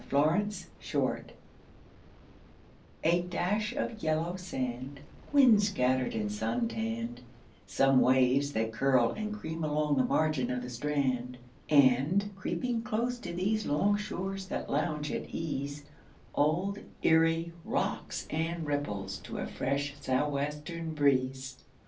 ERIE WATERS A dash of yellow sand, Wind scattered and sun tanned; Some waves that curl and cream along the margin of the strand; And, creeping close to these Long shores that lounge at ease, Old Erie rocks and ripples to a fresh sou' western breeze.